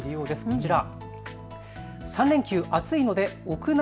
こちら。